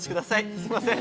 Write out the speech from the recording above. すいません。